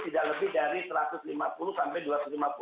tidak lebih dari satu ratus lima puluh sampai